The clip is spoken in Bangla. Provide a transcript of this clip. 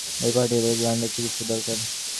এই পার্টিতে এবার গ্ল্যান্ডের চিকিৎসা দরকার।